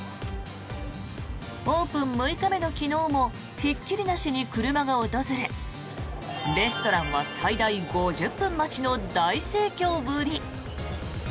オープン６日目の昨日もひっきりなしに車が訪れレストランは最大５０分待ちの大盛況ぶり。